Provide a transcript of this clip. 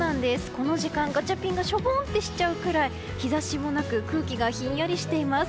この時間、ガチャピンがしょぼんとしちゃうくらい日差しもなく空気がひんやりとしています。